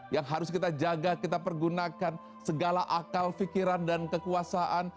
yang harus kita jaga kita pergunakan segala akal pikiran dan kekuasaan